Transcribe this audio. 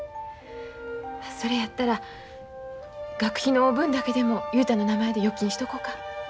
それやったら学費の分だけでも雄太の名前で預金しとこか。